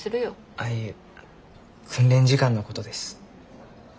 ああいえ訓練時間のことです。